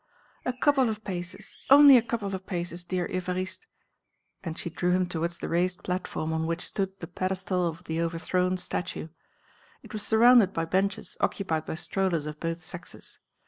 "A couple of paces, only a couple of paces, dear Évariste!" and she drew him towards the raised platform on which stood the pedestal of the overthrown statue. It was surrounded by benches occupied by strollers of both sexes.